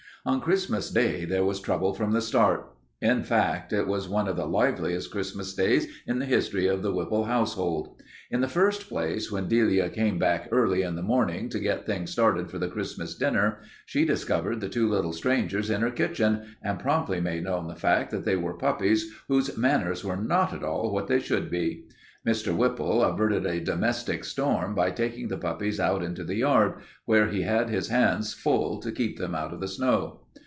On Christmas Day there was trouble from the start. In fact, it was one of the liveliest Christmas Days in the history of the Whipple household. In the first place, when Delia came back early in the morning to get things started for the Christmas dinner, she discovered the two little strangers in her kitchen, and promptly made known the fact that they were puppies whose manners were not at all what they should be. Mr. Whipple averted a domestic storm by taking the puppies out into the yard, where he had his hands full to keep them out of the snow.